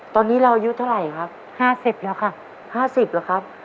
ตอนนี้เรายุทธ์เท่าไรครับห้าสิบแล้วค่ะห้าสิบเหรอครับ